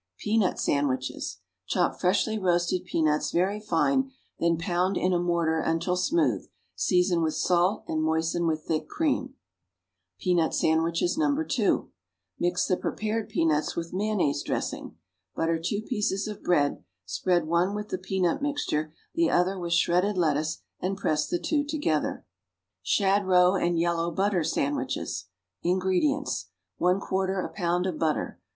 =Peanut Sandwiches.= Chop freshly roasted peanuts very fine; then pound them in a mortar until smooth; season with salt and moisten with thick cream. =Peanut Sandwiches, No. 2.= Mix the prepared peanuts with mayonnaise dressing. Butter two pieces of bread; spread one with the peanut mixture, the other with shredded lettuce, and press the two together. =Shad Roe and Yellow Butter Sandwiches.= INGREDIENTS. 1/4 a pound of butter.